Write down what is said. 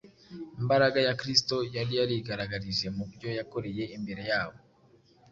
imbaraga ya Kristo yari yarigaragarije mu byo yakoreye imbere yabo